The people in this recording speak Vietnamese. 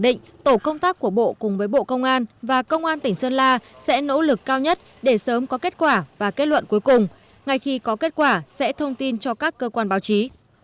các cơ quan của bộ công an và công an tỉnh sơn la sẽ nỗ lực cao nhất để sớm có kết quả và kết luận cuối cùng ngay khi có kết quả sẽ thông tin cho các cơ quan báo chí